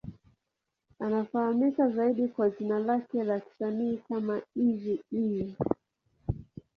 Anafahamika zaidi kwa jina lake la kisanii kama Eazy-E.